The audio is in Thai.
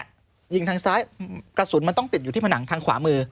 ยิงทางซ้ายกระสุนมันต้องติดอยู่ที่ผนังทางขวามือ